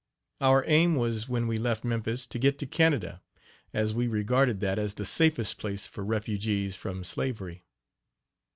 Our aim was when we left Memphis to get to Canada, as we regarded that as the safest place for refugees from slavery.